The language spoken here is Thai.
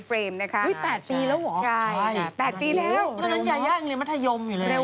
กลับมาอยู่ตั้งแต่เล่นสีหัวใจของขุนขาดในดังทุกคน